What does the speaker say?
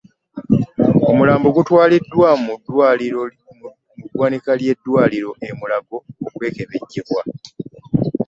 Omulambo gutwaliddwa mu ggwanika ly'eddwaliro e Mulago okwekebejjebwa